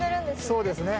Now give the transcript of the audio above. そうですね。